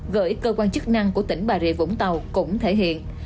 gửi cơ quan chức năng của tỉnh bà rịa vũng tàu cũng thể hiện